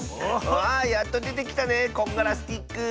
わあやっとでてきたねこんがらスティック！